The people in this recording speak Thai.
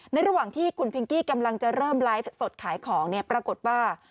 ระหว่างที่คุณพิงกี้กำลังจะเริ่มไลฟ์สดขายของเนี่ยปรากฏว่า